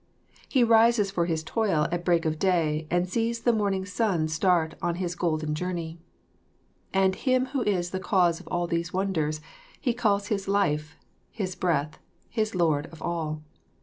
He rises for his toil at break of day and sees the morning sun start on his golden journey. And Him who is the cause of all these wonders, he calls his Life, his Breath, his Lord of All.